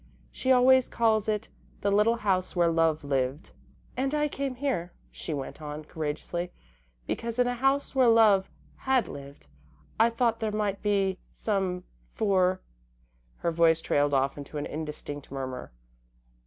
She always calls it 'the little house where Love lived.'" "And I came here," she went on, courageously, "because, in a house where Love had lived, I thought there might be some for " Her voice trailed off into an indistinct murmur.